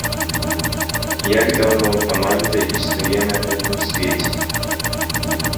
Як даўно каманда існуе на гэтым свеце?